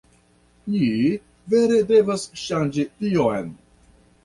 Ni vere devas ŝangi tion